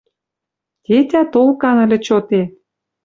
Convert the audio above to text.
Тетя толкан ыльы чоте: